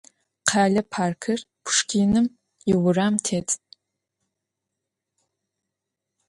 Khele parkır Puşşkinım yiuram têt.